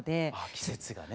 季節がね。